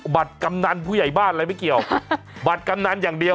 กำนันผู้ใหญ่บ้านอะไรไม่เกี่ยวบัตรกำนันอย่างเดียว